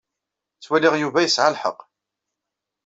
Ttwaliɣ Yuba yesɛa lḥeqq.